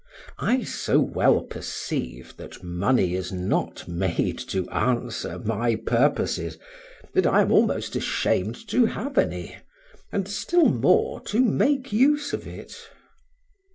I so well perceive that money is not made to answer my purposes, that I am almost ashamed to have any, and, still more, to make use of it.